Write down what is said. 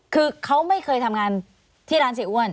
คือเขาไม่เคยทำงานที่ร้านเสียอ้วน